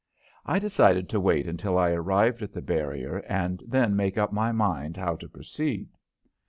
I decided to wait until I arrived at the barrier and then make up my mind how to proceed.